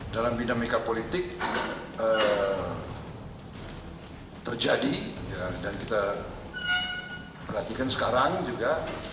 dalam dinamika politik terjadi dan kita perhatikan sekarang juga